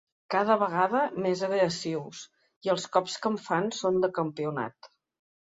Cada vegada més agressius i els cops que em fan són de campionat.